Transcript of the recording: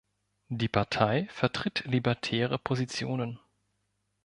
Die Partei vertritt libertäre Positionen.